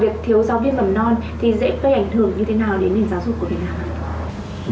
việc thiếu giáo viên mầm non thì dễ có ảnh hưởng như thế nào đến nền giáo dục của thầy nào